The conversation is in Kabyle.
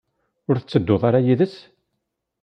Ur tettedduḍ ara yid-s?